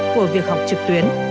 của việc học trực tuyến